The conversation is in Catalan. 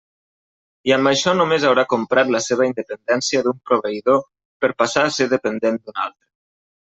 I amb això només haurà comprat la seva independència d'un proveïdor per passar a ser dependent d'un altre.